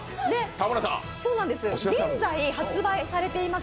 現在発売されています